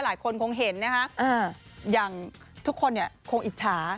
หลายคนคงเห็นนะคะอย่างทุกคนเนี่ยคงอิจฉา